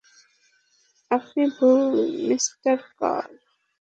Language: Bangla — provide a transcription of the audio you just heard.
আপনি ভুল, মিঃ কার।